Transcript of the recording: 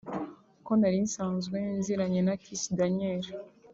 ko nari nsanzwe nziranye na Kiss Daniel